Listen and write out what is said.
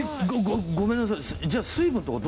ごごごめんなさい。